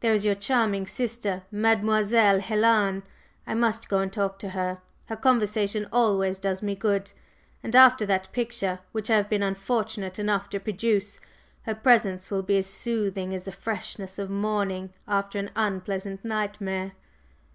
There is your charming sister, Mademoiselle Helen! I must go and talk to her, her conversation always does me good; and after that picture which I have been unfortunate enough to produce, her presence will be as soothing as the freshness of morning after an unpleasant nightmare."